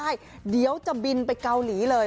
เปิดไปเกาหลีได้เดี๋ยวจะบินไปเกาหลีเลย